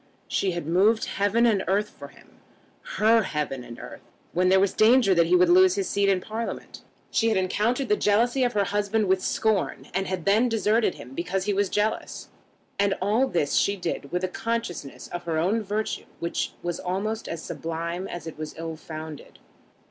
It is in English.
She had moved heaven and earth for him, her heaven and earth, when there was danger that he would lose his seat in Parliament. She had encountered the jealousy of her husband with scorn, and had then deserted him because he was jealous. And all this she did with a consciousness of her own virtue which was almost as sublime as it was ill founded.